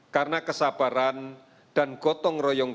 karena kesabaran dan gotong royong